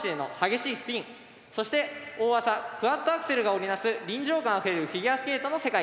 そして大技クワッドアクセルが織り成す臨場感あふれるフィギュアスケートの世界。